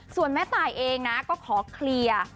ส่วนแม่ตายเองนะก็ขอเคลียร์